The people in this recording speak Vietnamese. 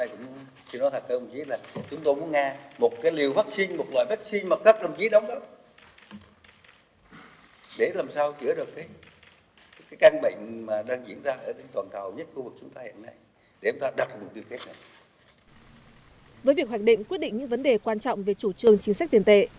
với việc hoạch định quyết định những vấn đề quan trọng về chủ trương chính sách tiền tệ